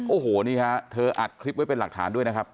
โอ้โหนี่ฮะเธออัดคลิปไว้เป็นหลักฐานด้วยนะครับ